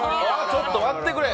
ちょっと待ってくれ！